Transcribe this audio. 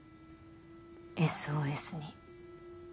「ＳＯＳ」に。